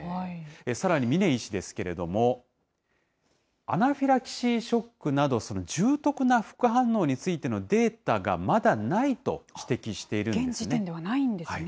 さらに、峰医師ですけれども、アナフィラキシーショックなど、重篤な副反応についてのデータがま現時点ではないんですね。